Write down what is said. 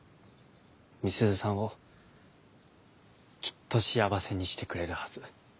美鈴さんをきっと幸せにしてくれるはず。